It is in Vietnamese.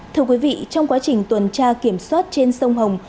thưa quý vị trong quá trình tuần tra kiểm soát trên sông hồng